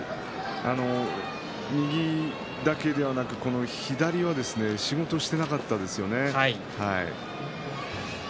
右だけではなく左が仕事をしていなかったですね。